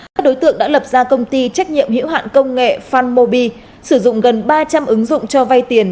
các đối tượng đã lập ra công ty trách nhiệm hiệu hạn công nghệ phanmobi sử dụng gần ba trăm linh ứng dụng cho vay tiền